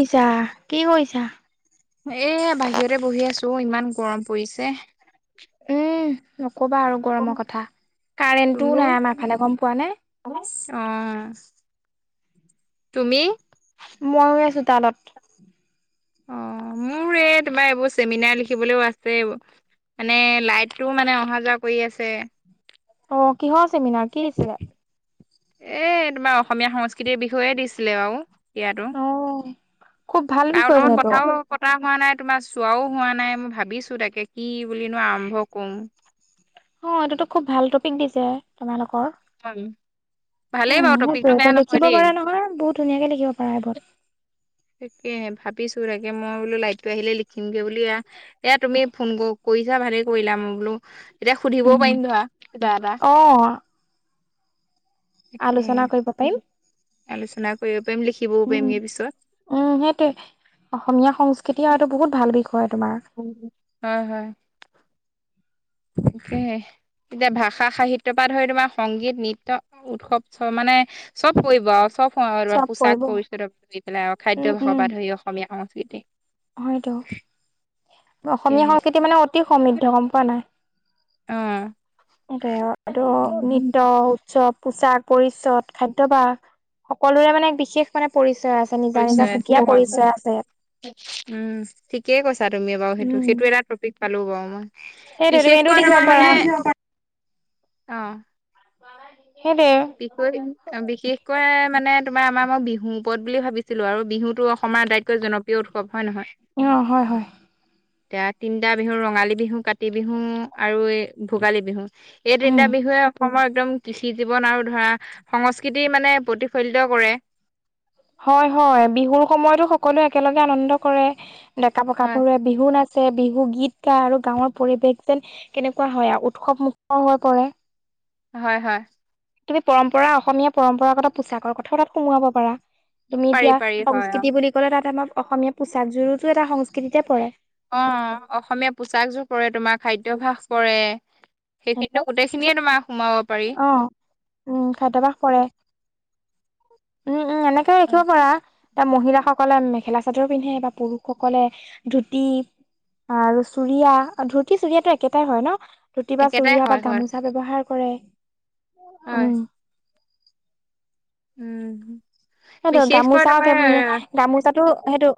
কৰিছা কি কৰিছা এ বাহিৰতে বহি আছো ইমান গৰম পৰিছে উম নকবা আৰু গৰমৰ কথা তুমি কাৰেণ্টটোও নাই আমাৰ ফালে গম পোৱা নে অ তোমি মইও আছো তাৰ তলত অ মোৰ এই তোমাৰ এইবোৰ চেমিনাৰ লিখিবলৈও আছে যে মানে লাইটতটোও মানে অহা যোৱা কৰি আছে অ কিহৰ চেমিনাৰ কি দিছিলে? এ তোমাৰ অসমীয়া সংস্কৃতিৰ বিষয়ে দিছিলে আৰু এয়াতো অ খুব ভাল কাৰ বিষয় চোন লগত এইটো কথাও পতা হোৱা নাই তোমাৰ চোৱাও হোৱা নাই মই ভাবিছো তাকে কি বুলিনো আৰম্ভ কৰু অ এইটোতো খুব ভাল টপিক দিছে তোমালোকৰ ভালেই উম বাৰু টপিকটো সেইটোএ বেয়া এটা নহয় লিখিব দেই পাৰা নহয় বহুত ধুনীয়াকে লিখিব পাৰা এইবোৰ তাকেহে ভাবিছো তাকে মই বোলো লাইটটো আহিলে লিখিমগে ব বুলি আৰু এয়া তুমি ফোন কৰিছা ভালেই কৰিলা মই বোলো এতিয়া সুধিবও উম পাৰিম ধৰা কিবা এটা অ আলোচনা তাকেহে কৰিব পাৰিম আলোচনা কৰিব পাৰিম লিখি- উম উম সেইটোৱে অসমীয়া সংস্কৃতি আৰুটো বহুত ভাল বিষয় তোমাৰ- উম হয় হয়। তাকে এতিয়া ভাষা সাহিত্যযৰ পৰা ধৰি তোমাৰ সংগীত, নৃত্য, উৎসৱ, চ মানে- চব পৰিব আৰু চব খ চব পৰিব পোছাক পৰিচন্ন ধৰি পেলাই আৰু উম খাদ্য ভ্যাসৰ পৰা ধৰি অসমীয়া সংস্কৃতি- হয়টো অসমীয়া তাকেহে সংস্কৃতি, মানে অতি সমৃদ্ধ গম পোৱা নাই। অ এ আৰু এইটো নৃত্য চব পোচাক পৰিচ্দ খাদ্যযভাস সকলোৰে মানে বিশেষ মানে পৰিচয় আছে। নিজা নিজা সুকীয়া উম পৰিচয় আছে কৰিছে ঠিকেই কৈছা তুমি বাৰু সেইটো উম সেইটো এটা পালো বাৰু মই সেইটোৱে তুমি এইটো বিশেষকৈ লিখিব আমাৰ পাৰা মানে অ- সেই দে বিশষ বিশেষকৈ মানে তোমাৰ আমাৰ মই বিহু ওপৰত বুলি ভাবিছিলো আৰু বিহুটো অসমৰ আটাইতকৈ জনপ্ৰিয়। জাতীয় উৎসৱ, হয় নহয়। অ হয় হয়। এতিয়া তিনিটা বিহু ৰঙালী, বিহু কাতি, বিহু আৰু এই ভোগালী, বিহু। এই উম তিনিটা বিহুৱে অসমৰ একদম কৃষি জীৱ। জীৱন আৰু ধৰা সংস্কৃতি মানে প্ৰতিফলিত কৰে। হয় হয় বিহুৰ সময়তো সকলোৱে একেলগে আনন্দ কৰে ডেকা হয় গাভৰুৱে। বিহু নাচে বিহু গীত গায়। আৰু গাঁৱৰ পৰিৱেশ যেন- কেনেকুৱা হয় আৰু উৎসৱ মুখ হৈ পৰে। হয় হয়। তুমি পৰম্পৰা অসমীয়া পৰম্পৰাগত পোছাকৰ কথাও তাত সোমোৱাব পাৰা। তুমি পাৰি এতিয়া পাৰি হয় অ সংস্কৃতি বুলি ক'লে তাত আমাৰ অসমীয়া পোছাক জুোৰোতো এটা সংস্কৃতিতে পৰে। অ অসমীয়া পোচাকযোৰ পৰে তোমাৰ খাদ্যভাস পৰে। সেইখিনিত গোইখিনিয়ে তোমাৰ সোমাৱ- অ উম খাদ্যবাস কৰে উম উম এনে ৰাখিব পাৰা ত মহিলাসকলে মেখেলা চাদৰ, পিন্ধে বা পুৰুষসকলে ধুতি, আৰু চুৰিয়া, দুতি, চুৰিয়াতটো একেটাই হয় ন জুতি, বা একেটাই চৰিয়া, হয় বা হয় গামোচা, ব্যৱহাৰ কৰে। হয় উম উম সেইটো বিশেষকৈ গামোচা তোমাৰ হয় গামোচাটো সেইটো।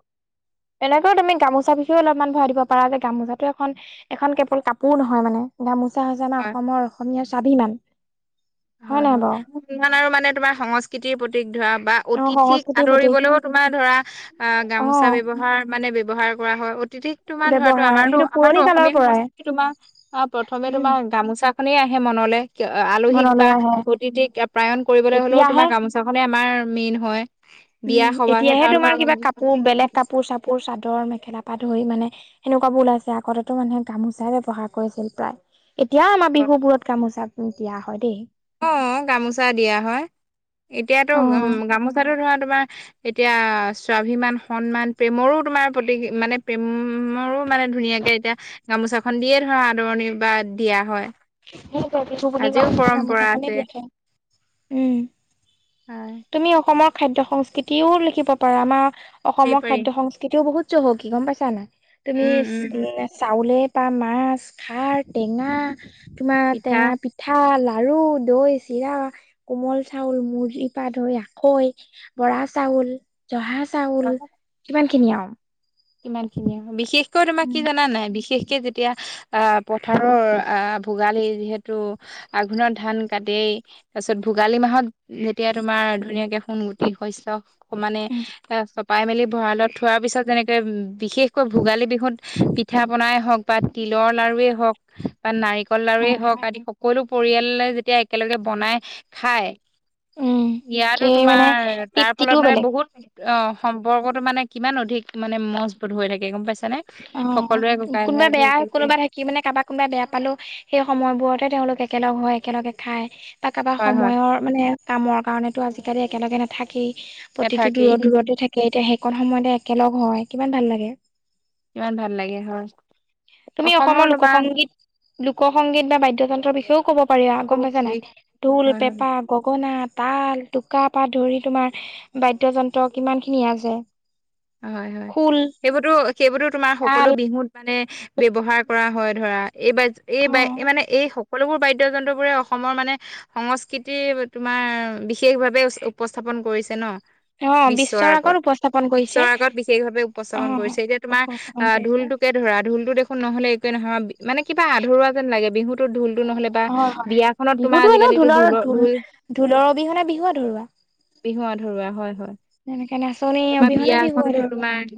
এনেকৈও তুমি গামোচা বিষয়ে অলপমান ভৰাই দিব পাৰা যে গামোচাটো এখন এখন কেৱল কাপোৰ নহয় মানে গামোচা হৈছে আমাৰ অসমৰ অসমীয়াৰ স্বাভিমান। হয় নাই হয় বাৰু ইমান আৰু মানে তোমাৰ সংস্কৃতিৰ প্ৰতিতক ধৰা বা। অ অতিথিক সংস্কৃতিৰ প্ৰতীক আদৰিবলৈও তোমাৰ ধৰা অ গামোচা ব্যৱহাৰ মানে ব্যৱহাৰ কৰা হয়। অতিথি তোমাৰ ধৰা তো ব্যৱহাৰ আমাৰতো সেইটো আমাৰতটো পুৰণি কালৰ অসমীয়া পৰাই সংস্কৃতি তোমাৰ অ প্ৰথমে উম তোমাৰ গামোচা। নে আহে মনলৈ আলহীক বা মনলৈ আহে অতিথিক প্ৰায়ন কৰিবলৈ হলেও এতিয়াহে তোমাৰ গামোচা গামোচা খনে আমাৰ মেইন হয়। বিয়া উম সবাহে এতিয়াহে ধৰা তোমাৰ কিবা কাপোৰ বেলেগ কাপোৰ চাপোৰ চাদৰ মেখেলা পাত ধৰি মানে সেনেকুৱাবোৰ ওলাইছে আগতেো মানুহে গামোচাই ব্যৱহাৰ কৰিছিল প্ৰায় এতিয়াও আমাৰ বিহু বোৰত গামোচা দিয়া হয়। দেই অঁ গামোচা দিয়া হয় এতিয়াতো অ গামোচাটো ধৰা তোমাৰ এতিয়া স্বাভিমান সন্মান প্ৰেমৰো তোমাৰ প্ৰতিক মানে প্ৰেমৰো মানে ধুনীয়াকে এতিয়া গামোচাখন দিয়ে ধৰা আদৰণি বা দিয়া হয় সেইটোৱে বিহু বুলি আজিও কলে পৰম্পৰা গামোচাখনে আছে দিয়া হয় উম হয় তুমি অসমৰ খাদ্য সংস্কৃতিও লিখিব পাৰা আমাৰ সেই অসমৰ পাৰি খাদ্য সংস্কৃতিও বহুত চহকী গম পাইছা নাই তুমি উম উম চাউলে মাছ খাৰ টেঙা তোমাৰ পিঠা টেঙা পি পিঠা লাৰু দৈ চিৰা কোমল চাউল মুৰী দৈ আখৈ বৰা চাউল জহা চাউল ইমান খিনি আও ইমানখিনি আও বিশেষকৈ তোমাক কি উম জানা নাই বিশেষকে যেতিয়া এতিয়া আহ পথাৰৰ আহ ভোগালী যিহেতু আঘোণৰ ধান কাতেই তাৰপিছত ভোগালী মাহত যেতিয়া তোমাৰ ধুনীয়াকে সোণগুটি শস্য মানে এ চপাই মেলি ভঁৰালত থোৱাৰ পিছত যেনেকে বিশেষকৈ ভোগালী বিহুত পিঠা পনাই হওক বা তিলৰ লাৰুৱে হওক বা নাৰিকল উম লাৰুৱেই হওক উম আদি সকলো পৰিয়ালে যেতিয়া একেলগে বনাই খায় উম ইয়াতো সেই মানে তোমাৰ তাৰ তৃপ্তিটোও ফলত মানে বেলেগ বহুত অ সম্পৰ্কতটো মানে কিমান অধিক মানে মজবুত হৈ থাকে গম পাইছা নে সকলোৰে ককাই ভাই বোৰ একেই নহয় সি মানে কাৰোবাক কোনোবাই বেয়া পালো সেই সময়বোৰতে তেওঁলোক একেলগ হয় একেলগে খাই ত কাৰোবা হয় হয় সময়ৰ মানে কামৰ কাৰনে আজিকালি একেলগে নাথাকেই প্ৰতিটো এঠাকি দূৰত দূৰতে থাকে এতিয়া সেইকণ সময়তে একেলগ হয় কিমান ভাল লাগে কিমান ভাল লাগে হয় তুমি অসমৰ লোক সংংগীত লোক সংগীত বা বাদ্যযন্ত্ৰৰ বিষয়েও ক'ব পাৰি আও ক'ব গম পাইছা পাৰি নাই ঢোল হয় হয়। পেপা গগনা তাল টোকা পা ধৰি তোমাৰ বাদ্যযন্ত্ৰ কিমান খিনি আছে হয় হয় খোল, সেইবোৰতো সেইবোৰতো তোমাৰ তাল সকলো বিহুত মানে ব্যৱহাৰ কৰা হয় ধৰা এই বাদ্য এই অ', বাদ্য এই মানে এই সকলোবোৰ বাদ্যযন্ত্ৰবোৰে অসমৰ মানে সংস্কৃতি তোমাৰ বিশেষ ভাৱে উপস্থাপন কৰিছে ন অ বিশ্বৰ আগৰ উপস্তাপন বিশ্বৰ আগত বিশেষ ভাৱে উপস্থাপন কৰিছে এতিয়া তোমাৰ উপস্থাপন আহ কৰিছে ঢোলটোকে ধৰা ঢোলতো দেখোন নহলে একোৱে নহয় মানে কিবা আধৰুৱা যেন লাগে বিহুতো ঢোলোটো নহলে বা হয় হয় বিয়াখনত তোমাৰ বিহুতো এনেও আজিকালিতো ঢোলৰ ঢোল ঢোলৰ অবিহনে বিহু আধৰুৱা বিহু আধৰুৱা হয় হয় তেনেকে নাচনি তোমাৰ বিয়া এখন টো তোমাৰ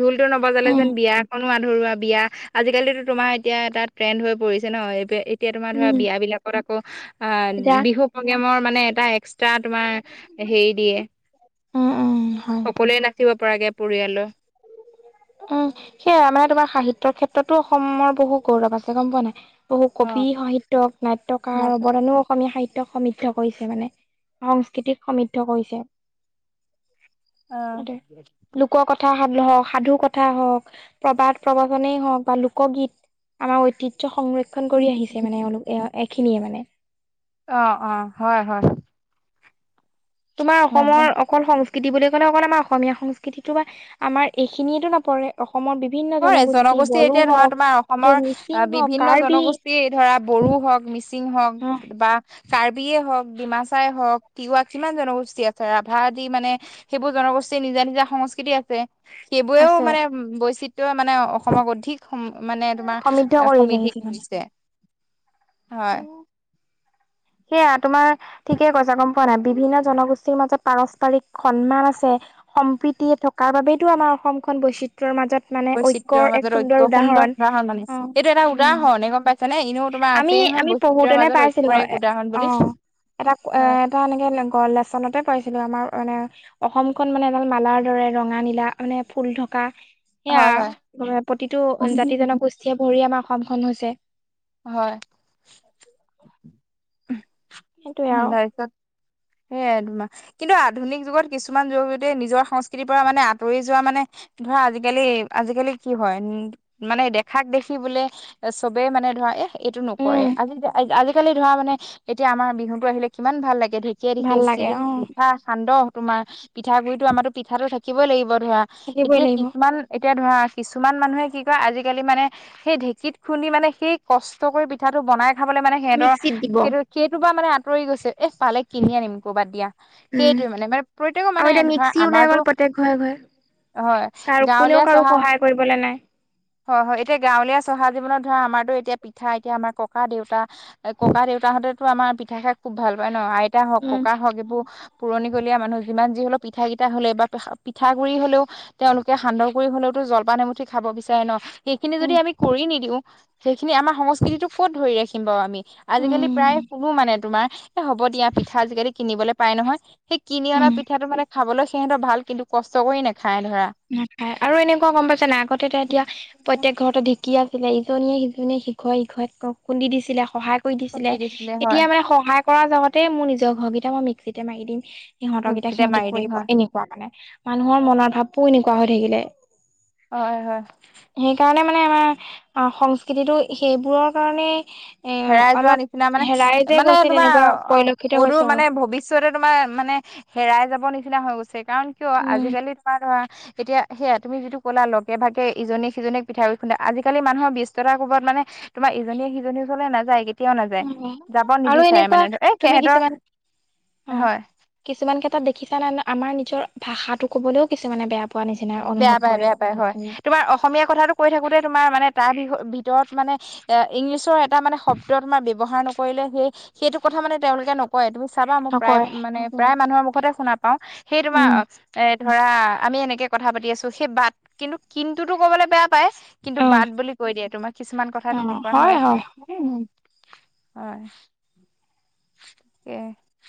ঢোলটো নবজালে উম যেন বিয়া এখনো বিয়া আধৰুৱা বিয়া আজিকালিটো তোমাৰ এতিয়া এটা ট্ৰেণ্ড হৈ পৰিছে ন এই এতিয়া তোমাৰ ধৰা উম বিয়া বিলাকত আকৌ অ এতিয়া বিহু প্ৰগ্ৰেমৰ মানে এটা এক্সট্ৰা তোমাৰ হেৰি দিয়ে উম উম হয় সকলোৱে নাচিব পৰাকে পৰিয়ালৰ উম সেয়া মানে তোমাৰ সাহিত্যৰ ক্ষেত্ৰতো অসমৰ বহু গৌৰৱ আছে গম পোৱা নে নাই বহু অ কবি সাহিত্যক অ নাট্যকাৰ অৱদানো অসমীয়া সাহিত্যক সমৃদ্ধ কৰিছে মানে, সংস্কৃতিক সমৃদ্ধ কৰিছে। অ লোক কথা সা সাধু কথা কথা হওঁক, প্ৰবাদ প্ৰবচনে হওঁক বা লোকগীত আমাৰ ঐতিহ্য সংৰক্ষণ খন কৰি আহিছে মানে অলোক এইখিনিয়ে মানে অ অ হয় হয়। তোমাৰ অসমৰ অকল সংস্কৃতি বুলি ক'লে অকল আমাৰ অসমীয়া সংস্কৃতিটো বা আমাৰ এইখিনিয়টো নপৰে অসমৰ বিভিন্ন হয় জনগোষ্ঠী বড়ো এতিয়া ধৰা হওক তোমাৰ এইটো অসমৰ মিচিং আহ হওক বিভিন্ন কাৰ্বি জনগোষ্ঠী ধৰা বড়ো হওক, মিচিং হওক বা কাৰ্বিয়ে হওঁক, ডিমাচাই হওঁক, তিৱা কিমান জনগোষ্ঠী আছে ৰাভা আদি মানে সেইবোৰ জনগোষ্ঠীৰ নিজা নিজা সংস্কৃতি আছে। সেইবোৰেও আছে মানে বৈচিত্ৰই মানে অসমক অধিক মানে সমৃদ্ধ তোমাৰ কৰি সমৃদ্ধি আহিছে কৰিছে। হয় মানে সেয়া তোমাৰ ঠিকে কৈছা গম পোৱানে নাই? বিভিন্ন জনগোষ্ঠীৰ মাজত পাৰস্পৰিক সন্মান আছে। সম্প্ৰীতি থকাৰ বাবেইটো আমাৰ অসমখন বৈচিত্ৰ ৰ মাজত মানে বৈচিত্ৰৰ ঐক্যৰ এক মাজত ঐক্য সুন্দৰ উদাহৰণ। অ এইটো এটা উম উদাহৰণে মানে গম পাইছা নে এনেও? তোমাৰ আমি আছেই নহয় আমি বৈচিত্ৰৰ পঢ়োতেনো মাজত পাইছিলো ঐক্যৰ এক এ উদাহৰণ অ বুলি এটা এ হয় এটা এনেকে লেচনতে পাইছিলোঁ, আমাৰ মানে অসমখন মানে এডাল মালাৰ দৰে ৰঙা নীলা মানে ফুল থকা হয় হয় সেয়া প্ৰতিটো জাতি জনগোষ্ঠীয়ে ভৰি আমাৰ অসমখন হৈছে। হয়। ত [inaudible] সদায় সেয়াই তোমাৰ কিন্তু আধুনিক যুগত কিছুমান যুৱক যুৱতীয়ে নিজৰ সংস্কৃতিৰ পৰা মানে আঁতৰি যোৱা মানে ধৰা আজিকালি আজিকালি কি হয়, উম মানে দেখাক দেখি বোলে চবে মানে ধৰা এ এইটো উম, নকৰে, আজি আজিকালি ধৰা মানে এতিয়া আমাৰ বিহুতটো আহিলে কিমান ভাল লাগে ধৰি ঠিকে ভাল ঠিকেই। লাগে অ' পিঠা সান্দহ তোমাৰ পিঠাগুডৰি আমাৰতো পিঠাটো থাকিবই লাগিব। ধৰা থাকিবই এতিয়া লাগিব। কিছুমান এতিয়া ধৰা কিছুমান মানুহে কি কয় আজিকালি মানে সেই ঢেকীত খুন্দি মানে সেই কষ্ট কৰি পিঠাটো বনাই খাবলৈ লৈ মানে সিহঁতৰ, মিক্সিত দিব। সেইটো সেইটো বা মানে আঁতৰি গৈছে, এ পালে কিনি আনিম ক'ৰবাত দিয়া। উম সেইটো মানে মানে প্ৰত্যেকৰ আৰু মানে এতিয়া ধৰা মিক্সি ওলাই গ'ল আমাৰতো প্ৰত্যেক ঘৰে ঘৰে হয়। কাৰ কোনেও গাঁৱলীয়া কাৰো চহা সহায় কৰিবলৈ নাই। হয় হয়। এতিয়া গাঁৱলীয়া চহা জীৱনত ধৰা আমাৰতো এতিয়া পিঠা এতিয়া আমাৰ ককা দেউতা ককা দেউতাহঁতেতো আমাৰ পিঠা খাই খুব ভাল পায় ন? আইতা হওক, উম ককা হওক এইবোৰ পুৰণিকলীয়া মানুহ যি যি হলেও পিঠা কেইটা হলেই বা পিঠাগুৰি হলেও তেওঁলোকে সান্দহ কৰি হ'লেওতো জলপান এমুঠি খাব বিচাৰে ন? সেইখিনি উম যদি আমি কৰি নিদিও, সেইখিনি আমাৰ সংস্কৃতিটো ক'ত ধৰি ৰাখিম বাৰু আমি আজিকালি প্ৰায় উম শুনো মানে তোমাৰ এ হ'ব দিয়া পিঠা আজিকালি কিনিবলৈ পাই নহয়। সেই কিনি অনা উম পিঠাটো মানে খাবলৈ সিহঁতৰ ভাল, কিন্তু কষ্ট কৰি নাখায় ধৰা নাখায় আৰু এনেকুৱা গম পাইছে নাই? আগতে এতিয়া এতিয়া প্ৰত্যেক ঘৰতে ঢেকি আছিলে ইজনীয়ে সিজনীয়ে ইঘৰে সিঘৰে খুন্দি দিছিলে, সহায় কৰি দিছিলে। দি হয় এতিয়া মানে সহায় কৰাৰ জগতেই মোৰ নিজৰ ঘৰকেইটা মই মিক্সিতে মাৰি দিম। সিহঁতৰকেইটা মিক্সিতে সিহঁতি মাৰি দিম কৰিব হয় এনেকুৱা মানে মানুহৰ মনৰ ভাবটো এনেকুৱা হৈ থাকিলে। হয় হয়। সেইকাৰণে মানে আমাৰ অ সংস্কৃতিটো সেইবোৰৰ কাৰণে এ হেৰাই যোৱা অলপ নিচিনা মানে হেৰাই যে মানে গৈছে তোমাৰ তেনেকুৱা অ পৰিলক্ষিত অদূৰ হৈছে আৰু মানে ভৱিষ ষ্যতে তোমাৰ মানে হেৰাই যাব নিচিনা হৈ গৈছে কাৰণ কিয় উম আজিকালি তোমাৰ ধৰা এতিয়া সেয়া তুমি যিটো কলা লগে ভাগে ইজনে সিজনীক পিঠা গুৰি খুন্দা, আজিকালি মানুহৰ ব্যস্ততাৰ কৰবত মানে তোমাৰ ইজনিয়ে সিজনীৰ ঘৰলৈ নাযায়, কেত তিয়াও নাযায়, উম যাব আৰু নিবিচাৰে এনেকুৱা মানে ধৰ এ তুমি সেহঁতৰ হয়। কিছুমানকে তাত দেখিছা নে না আমাৰ নিজৰ ভাষাটো কবলেও কিছুমানে বেয়া পোৱা নিচিনা বেয়া অনুভৱ পায় কৰে বেয়া পায় হয়। তোমাৰ অসমীয়া কথাটো কৈ থাকোঁতে তোমাৰ মানে তাৰ ভি ভিতৰত মানে এ ইংলিছৰ এটা মানে শব্দ তোমাৰ ব্যৱহাৰ নকৰিলে সেই সেইটো কথা মানে তেওঁলোকে নক কয়, তুমি চাবা মোৰ প্ৰায় নকয় মানে প্ৰায় মানুহৰ মুখতে শুনা পাও সেই তোমাৰ উম অ এ ধৰা আমি এনেকে কথা পাতি আছো সেই বাট কিন্তু কিন্তুতো কবলৈ বেয়া পাই কিন্তু অ বাট বুলি কৈ দিয়ে তোমাক কিছুমান কথা তেনেকুৱা হয়, এ হুম হয়। তাকে।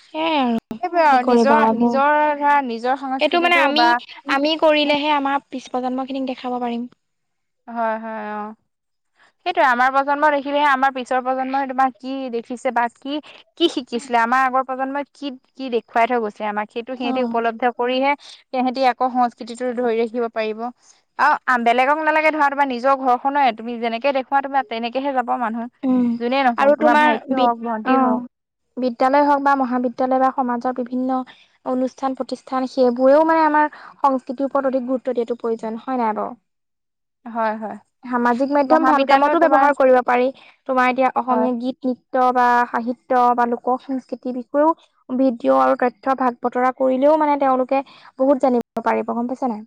সেইয়াই আৰু এইবোৰে কি আৰু কৰিবা নিজৰ - এইবোৰ নিজৰ ধৰা নিজৰ এইটো মানে সংস্কৃতিটো আমি বা আমি কৰিলেহে আমাৰ পিছ প্ৰজন্মখিনিক দেখাব পাৰিম। হয় হয় অ। সেইটোৱে আমাৰ প্ৰজন্ম দেখিলেহে আমাৰ পিছৰ প্ৰজন্মই তোমাৰ কি দেখিছে বা কি কি শিকিছিলে আমাৰ আগৰ প্ৰজন্মই কি কি দেখুৱাই থৈ গৈছিলে আমাক সেইটো অ সিহঁতি উপলব্ধ কৰিহে তেহেঁতি আকৌ সংস্কৃতিটো ধৰি ৰাখিব পাৰিব আৰু আ বেলেগক নালাগে ধৰা তোমাৰ নিজৰ ঘৰখনে তুমি যেনেকে দেখুওৱা তোমাৰ তেনেকেহে যাব মানুহ। উম যোনে নহওক আৰু তোমাৰ ভাইটি বি হওক ভন্টি অ। হওক বিদ্যালয় হওক বা মহাবিদ্যালয় বা সমাজৰ বিভিন্ন অনুষ্ঠান- প্ৰতিষ্ঠান সেইবোৰেও মানে আমাৰ সংস্কৃতিৰ ওপৰত অধিক গুৰুত্ব দিয়াতো প্ৰয়োজন হয় নাই বাৰু? হয় হয় সামাজিক মাধ্যম ভাল মহাবিদ্যালয়ত কামতো তোমাৰ ব্যৱহাৰ কৰিব পাৰি, তোমাৰ এতিয়া হয় অসমীয়া গী এ নৃত্য বা সাহিত্য বা লোক সংস্কৃতিৰ বিষয়েও ভিডিঅ' আৰু তথ্য ভাগ বতৰা কৰিলেও মানে তেওঁলোকে বহুত জানিব পাৰিব গম পাইছা নাই?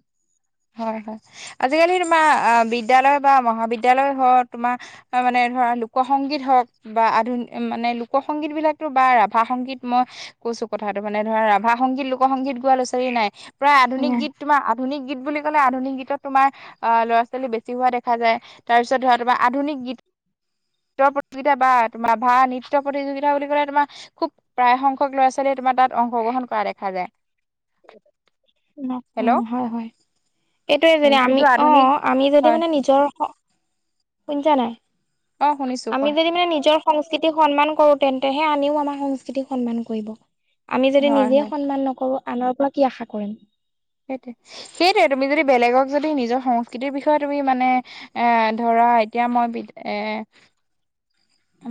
হয় হয়, আজিকালি তোমাৰ আ বিদ্যালয় বা মহাবিদ্যালয় হও তোমাৰ বা মানে ধৰা লোক সংগীত হওক বা আধুনি মানে লোক সংগীতবিলাকতো বা ৰাভা সংগীত মই কৈছো কথাটো মানে ধৰা, ৰাভা সংগীত, লোকসংগীত গোৱা ল'ৰা-ছোৱালী নাই প্ৰায় আধুনিক গীত তোমাৰ আধুনিক গীত বুলি ক'লে আধুনিক গীতত তোমাৰ আহ ল'ৰা - ছোৱালী বেছি হোৱা দেখা যায় তাৰপিছত ধৰা তোমাৰ আধুনিক গীত নৃত্য প্ৰতিযোগিতা বা তোমাৰ ৰাভা নৃত্য প্ৰতিযোগিতা বুলি ক'লে তোমাৰ খুব প্ৰায়সংখ্যক ল'ৰা - ছোৱালীয়ে তোমাৰ তাত অংশগ্ৰহণ কৰা দেখা যায়। নকও হেল্ল' হয় হয়। এইটোয়ে উম যেনে আমি কিন্তু অ আধুনিক আমি যদি হয় মানে নিজৰ অঁ, শুনিছা নাই? অ শুনিছো আমি কোৱা যদি মানে নিজৰ সংস্কৃতিক সন্মান কৰো তেন্তেহে আনেও আমাৰ সংস্কৃতিক সন্মান কৰিব। আমি যদি হয় হয় নিজে সন্মান নকৰো আনৰ পৰা কি আশা কৰিম? সেইটোৱে, সেইটোৱে তুমি যদি বেলেগক যদি নিজৰ সংস্কৃতিৰ বিষয়ে তুমি মানে এ ধৰা এতিয়া মই বিত এ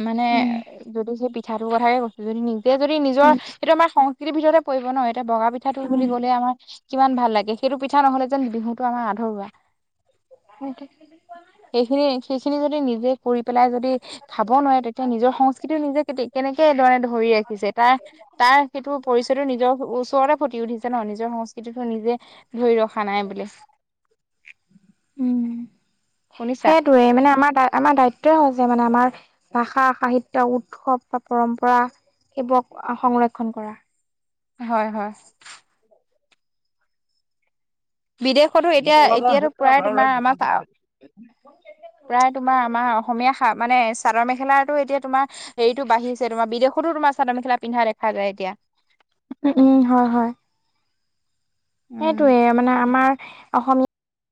মানে উম। যদি সেই পিঠাটোৰ কথাকে কৈছো যদি নিজে যদি নিজৰ উম, সেটো আমাৰ সং সংস্কৃতি ভিতৰতে পৰিব ন এতিয়া বগা পিঠাটো উম। বুলি ক'লে আমাৰ কিমান ভাল লাগে সেইটো পিঠা নহলে যেন বিহুটো আমাৰ আধৰুৱা সেইটো সেইখিনি সেইখিনি যদি নিজে কৰি পেলাই যদি খাব নোৱাৰে তেতিয়া নিজৰ সংস্কৃতিও নিজে কেতি কেনেকে ধৰ ধৰি ৰাখিছে তাৰ তাৰ সেইটো পৰিচয়টো নিজৰ ওচৰতে ফটি উঠিছে ন নিজৰ সংস্কৃতিটো নিজে ধৰি ৰখা নাই বুলি উম শুনিছা টোৱে মানে আমাৰ আমাৰ দায়িত্বই হয় যে মানে আমাৰ ভাষা, সাহিত্য, উৎসৱ বা পৰম্পৰা সেইবোৰক সংৰক্ষণ কৰা হয় হয় বিদেশতো এতিয়া এতিয়াতো প্ৰায় তোমাৰ আমাৰ [unintelligible] প্ৰায় তোমাৰ আমাৰ অসমীয়া খা মানে চাদৰ মেখেলাতো এতিয়া তোমাৰ হেৰিটো বাঢ়িছে তোমাৰ বিদেশতো তোমাৰ চাদৰ মেখেলা পিন্ধা দেখা যায় এতিয়া উম উম হয় হয় উম সেইটোৱে মানে আমাৰ অসমীয়া